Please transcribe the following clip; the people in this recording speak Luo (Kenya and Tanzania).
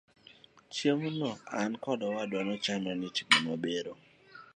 Chieng' no, an kod owadwa ne ochan ni itimonwa bero.